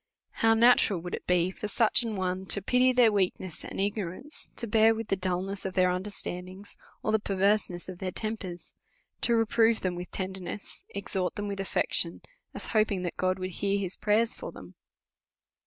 How natural would it be for such a one to pity their weakness and igno rance, to bear with the dulness of their understandings, or the pervcrseness of their tempers ; to reprove them with tenderness, exhort them with affection, as hoping that God would hear his prayers for them